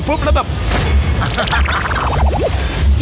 ปุ๊ปแล้วแบบ